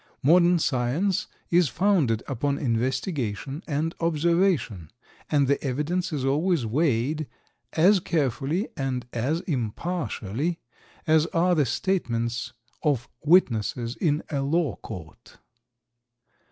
Modern science is founded upon investigation and observation, and the evidence is always weighed as carefully and as impartially as are the statements of witnesses in a law court.